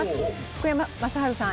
福山雅治さん